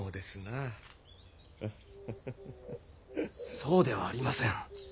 そうではありません。